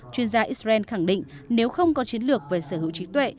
chuyên gia israel khẳng định nếu không có chiến lược về sở hữu trí tuệ